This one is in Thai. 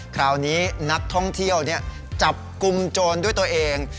คราวนี้นักท่องเที่ยวจับกลุ่มโจรด้วยตัวเอง